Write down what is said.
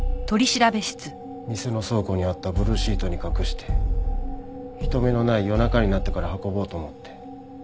店の倉庫にあったブルーシートに隠して人目のない夜中になってから運ぼうと思って。